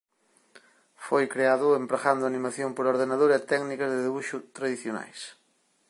Foi creado empregando animación por ordenador e técnicas de debuxo tradicionais.